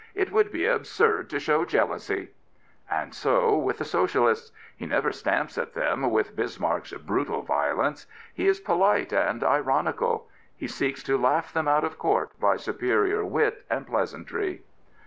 " It would be absurd to show jealousy." And so with the Socialists. He never stamps on them with Bis marck's brutal violence. He is polite and ironical. He seeks to laugh them out of court by superior wit and pleasantry.